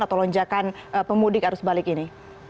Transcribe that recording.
atau lonjakan pemudik arus balik ini